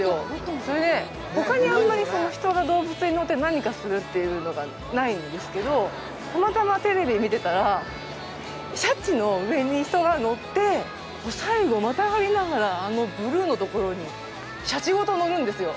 それで、ほかにあんまり人が動物に乗って何かするというのがないんですけどたまたまテレビ見てたらシャチの上に人が乗って、最後、またがりながらあのブルーのところにシャチごと乗るんですよ。